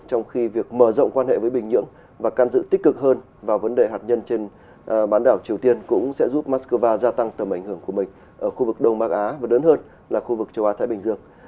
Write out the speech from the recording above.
trong khi việc mở rộng quan hệ với bình nhưỡng và can dự tích cực hơn vào vấn đề hạt nhân trên bán đảo triều tiên cũng sẽ giúp moscow gia tăng tầm ảnh hưởng của mình ở khu vực đông bắc á và lớn hơn là khu vực châu á thái bình dương